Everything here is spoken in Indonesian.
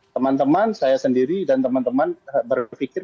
teman teman saya sendiri dan teman teman berpikir